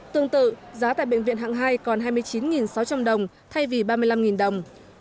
tương tự giá tại bệnh viện hạng hai còn hai mươi chín sáu trăm linh đồng thay vì ba mươi năm đồng